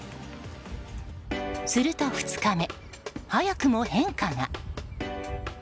すると２日目、早くも変化が。